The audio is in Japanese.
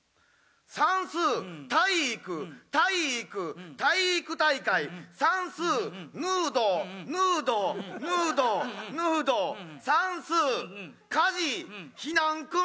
算数体育体育体育大会算数ヌードヌードヌードヌード算数火事避難訓練